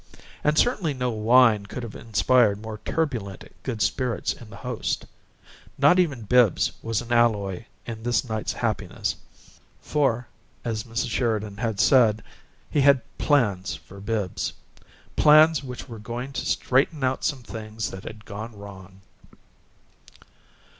And certainly no wine could have inspired more turbulent good spirits in the host. Not even Bibbs was an alloy in this night's happiness, for, as Mrs. Sheridan had said, he had "plans for Bibbs" plans which were going to straighten out some things that had gone wrong.